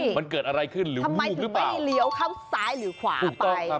ทำไมถึงไม่เลี้ยวข้าวซ้ายหรือขวาไป